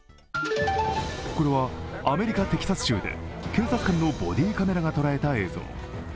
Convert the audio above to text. これはアメリカ・テキサス州で、警察官のボディーカメラが捉えた映像。